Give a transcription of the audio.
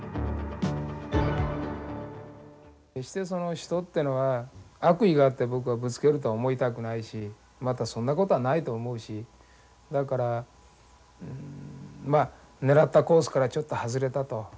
決してその人っていうのは悪意があって僕はぶつけるとは思いたくないしまたそんなことはないと思うしだからうんまあ狙ったコースからちょっと外れたと。